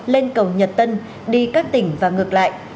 lên cầu nhật tân đi các tỉnh và ngược lại